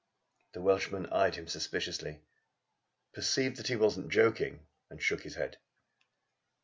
The Welshman eyed him suspiciously, perceived that he was not joking, and shook his head.